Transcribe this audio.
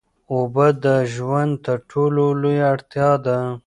اوبه د ژوند تر ټولو لویه اړتیا ده.